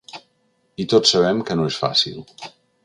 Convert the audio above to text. I tots sabem que no és fàcil.